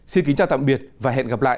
xin kính chào tạm biệt và hẹn gặp lại